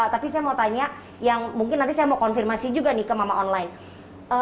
tapi saya mau tanya yang mungkin nanti saya mau konfirmasi juga nih ke mama online